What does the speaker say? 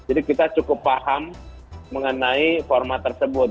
jadi kita cukup paham mengenai format tersebut